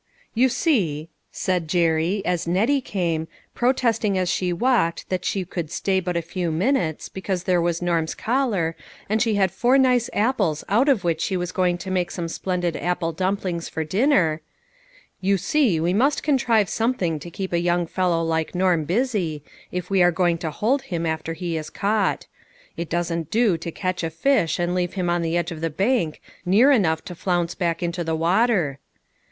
~"V7~OTJ see," said Jerry, as Nettie came, pro* " testing as she walked that she could stay but a few minutes, because there was Norm's collar, and she had four nice apples out of which she was going to make some splendid apple dumplings for dinner, "you see we must contrive something to keep a young fellow like Norm busy, if we are going to hold him after he is caught. It doesn't do to catch a fish and leave him on the edge of the bank near enough to flounce back into the water.